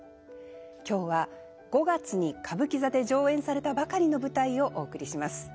今日は５月に歌舞伎座で上演されたばかりの舞台をお送りします。